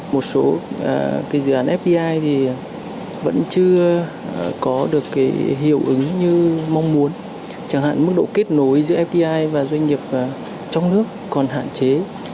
một số dự án fdi thì vẫn chưa có được hiệu ứng như mong muốn chẳng hạn mức độ kết nối giữa fdi và doanh nghiệp trong nước còn hạn chế